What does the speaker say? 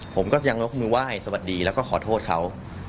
ผมก็ยังยกมือไหว้สวัสดีแล้วก็ขอโทษเขา